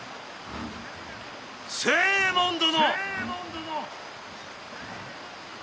星右衛門殿！